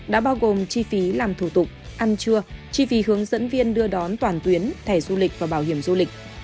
đã bao gồm chi phí làm thủ tục ăn trưa chi phí hướng dẫn viên đưa đón toàn tuyến thẻ du lịch và bảo hiểm du lịch